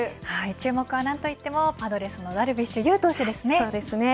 注目は何といってもパドレスのダルビッシュ有投手です。